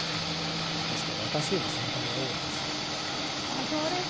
ですから私より先輩が多いんです。